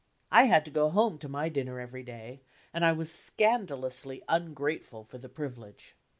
I had tt} go home to my dinner every day, and I was scandalously ungrateful for the privilege.